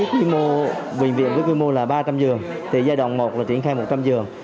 quy mô bệnh viện với quy mô là ba trăm linh giường thì giai đoạn một là triển khai một trăm linh giường